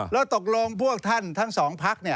แล้วตกลงพวกท่านทั้งสองภาคเนี่ย